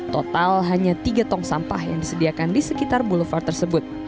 total hanya tiga tong sampah yang disediakan di sekitar boulevard tersebut